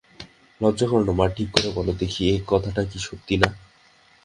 লজ্জা কোরো না মা, ঠিক করে বলো দেখি এ কথাটা কি সত্য না?